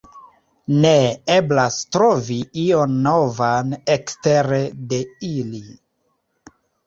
Ne eblas trovi ion novan ekstere de ili.